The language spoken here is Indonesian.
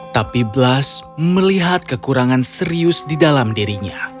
tapi blast melihat kekurangan serius di dalam dirinya